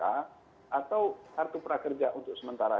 atau kartu prakerja untuk sementara